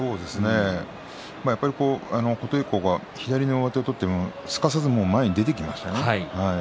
やっぱり琴恵光が左の上手を取って、すかさず前に出ていきましたね。